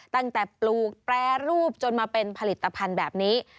ปลูกแปรรูปจนมาเป็นผลิตภัณฑ์แบบนี้